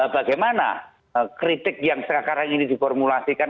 bagaimana kritik yang sekarang ini diformulasikan